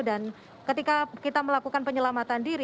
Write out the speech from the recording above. dan ketika kita melakukan penyelamatan diri